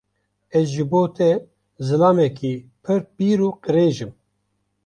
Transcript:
Ez ji bo te zilamekî pir pîr û qirêj im?